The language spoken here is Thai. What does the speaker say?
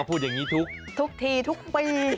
พูดอย่างนี้ทุกทีทุกปี